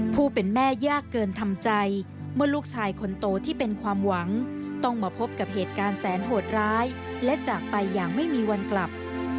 ผู้เป็นแม่ยากเกินทำใจมีลูกชายคนโตที่เป็นความหวังต้องมาพบกับ